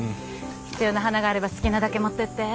必要な花があれば好きなだけ持ってって。